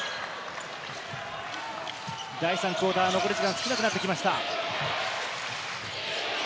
第３クオーター、残り時間が少なくなってきました。